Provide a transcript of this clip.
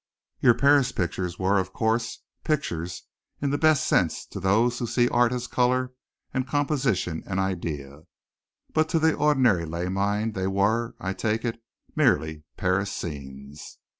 Your Paris pictures were, of course, pictures in the best sense to those who see art as color and composition and idea, but to the ordinary lay mind they were, I take it, merely Paris scenes.